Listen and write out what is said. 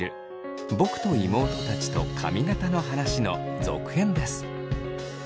「僕と妹たちとカミガタの話」の続編です。